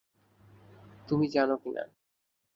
তুমি জানো কি-না?